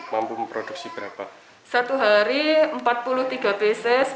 mampu memproduksi berapa satu hari empat puluh tiga besis